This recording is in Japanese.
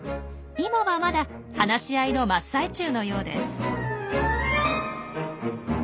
今はまだ話し合いの真っ最中のようです。